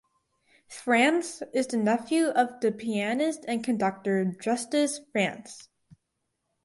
Frantz is the nephew of the pianist and conductor Justus Frantz.